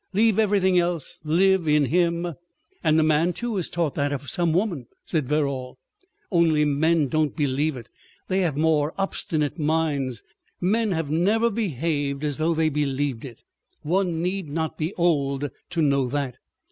Leave everything else; live in him." "And a man, too, is taught that of some woman," said Verrall. "Only men don't believe it! They have more obstinate minds. ... Men have never behaved as though they believed it. One need not be old to know that.